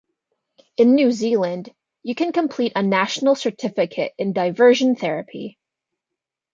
In New Zealand, you can complete a National Certificate in Diversion Therapy.